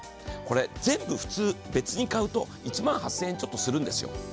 全部普通別に買うと１万８０００円ちょっとするんですよ。